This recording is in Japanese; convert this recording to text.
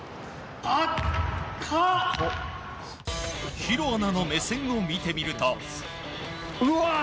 弘アナの目線を見てみると。